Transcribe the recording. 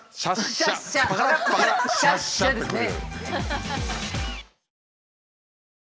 シャッシャッ！ですね。